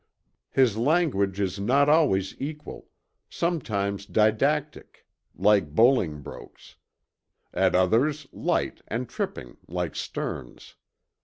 His language is not always equal, sometimes didactic like Bolingbroke's, at others light and tripping like Sterne's.